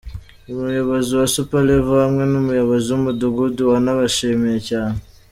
Umuyobozi wa Super Level hamwe n’umuyobozi w’umudugudu wanabashimiye cyane.